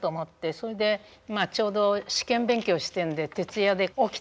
それでちょうど試験勉強してるので徹夜で起きてましたけど。